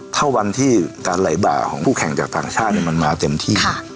ถ้าวันที่การไหลบ่าของผู้แข่งจากต่างชาติมันมาเต็มที่